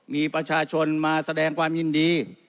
มีประชาชนมาแสดงความยินดี